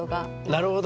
なるほど。